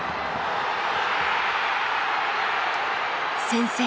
先制。